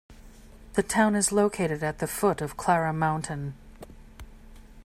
The town is located at the foot of Clara Mountain.